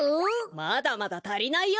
まだまだたりないよ。